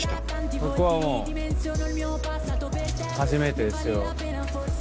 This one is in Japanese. ここはもう初めてですよ。